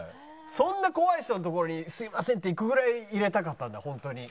そんな怖い人の所に「すみません」って行くぐらい入れたかったんだホントに。